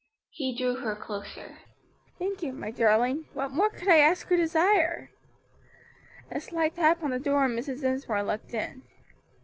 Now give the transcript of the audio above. He drew her closer. "Thank you, my darling; what more could I ask or desire?" A slight tap on the door and Mrs. Dinsmore looked in.